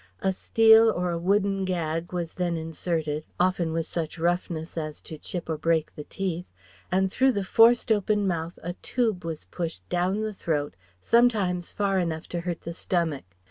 A steel or a wooden gag was then inserted, often with such roughness as to chip or break the teeth, and through the forced open mouth a tube was pushed down the throat, sometimes far enough to hurt the stomach.